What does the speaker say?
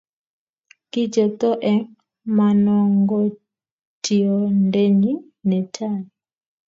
Ki chepto eng manongotiondenyi netai